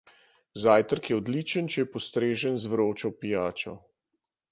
Zajtrk je odličen, če je postrežen z vročo pijačo.